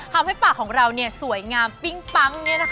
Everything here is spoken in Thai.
ทำให้ปากของเราเนี่ยสวยงามปิ้งปังเนี่ยนะคะ